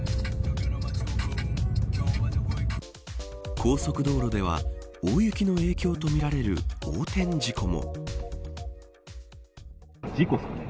高速道路では大雪の影響とみられる横転事故も。